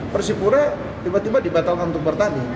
persipura tiba tiba dibatalkan untuk bertanding